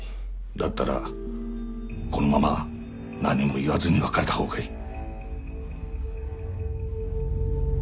だったらこのまま何も言わずに別れた方がいい。